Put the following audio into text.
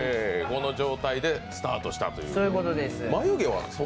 この状態でスタートしたという。